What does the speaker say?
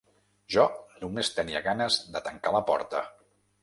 Jo només tenia ganes de tancar la porta.